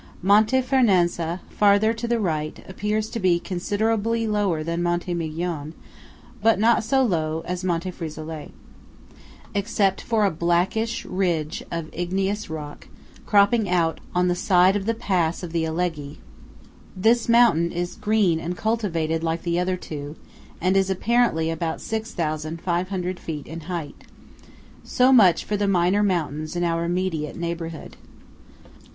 Monte Fernazza, farther to the right, appears to be considerably lower than Monte Migion, but not so low as Monte Frisolet. Except for a blackish ridge of igneous rock cropping out on the side of the pass of Alleghe, this mountain is green and cultivated like the other two, and is apparently about 6,500 feet in height. So much for the minor mountains in our immediate neighbourhood.